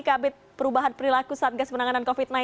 kabit perubahan perilaku satgas penanganan covid sembilan belas